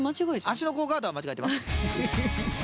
足の甲ガードは間違えてます。